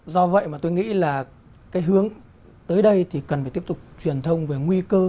do vậy mà tôi nghĩ là cái hướng tới đây thì cần phải tiếp tục truyền thông về nguy cơ